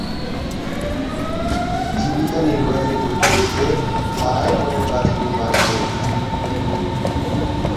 জীবিকা নির্বাহের উদ্দেশ্যে তারাই বনের গাছগুলি বাঁচিয়ে রেখেছে।